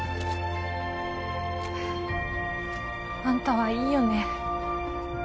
あんたはいいよね